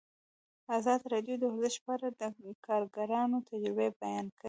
ازادي راډیو د ورزش په اړه د کارګرانو تجربې بیان کړي.